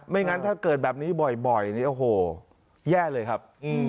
งั้นถ้าเกิดแบบนี้บ่อยนี่โอ้โหแย่เลยครับ